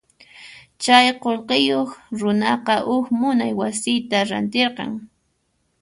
Chay qullqiyuq runaqa huk munay wasita rantirqan.